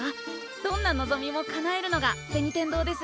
どんな望みもかなえるのが銭天堂です。